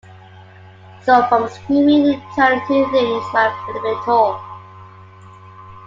So from screaming, it turned into things like blaming it all.